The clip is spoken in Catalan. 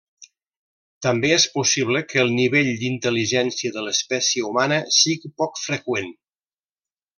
També és possible que el nivell d'intel·ligència de l'espècie humana sigui poc freqüent.